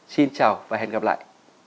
xin chào và hẹn gặp lại